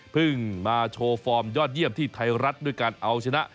มาโชว์ฟอร์มยอดเยี่ยมที่ไทยรัฐด้วยการเอาชนะ